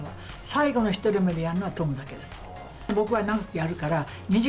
最後の１人までやるのはトムだけです。